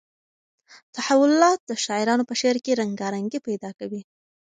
تحولات د شاعرانو په شعر کې رنګارنګي پیدا کوي.